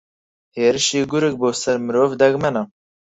ھێرشی گورگ بۆسەر مرۆڤ دەگمەنە